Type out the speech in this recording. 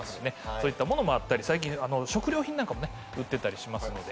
そういったものもあったり最近食料品なんかもね売ってたりしますので。